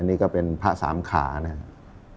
นี่ก็เป็นพระสามขานะครับ